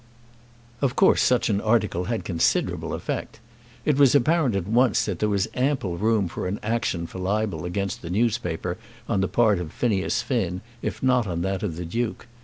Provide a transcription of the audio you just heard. Of course such an article had considerable effect. It was apparent at once that there was ample room for an action for libel against the newspaper, on the part of Phineas Finn if not on that of the Duke.